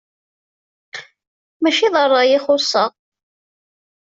Mačči d ṛṛay i xuṣṣeɣ.